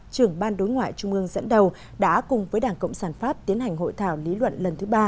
trưởng ban đối ngoại trung ương dẫn đầu đã cùng với đảng cộng sản pháp tiến hành hội thảo lý luận lần thứ ba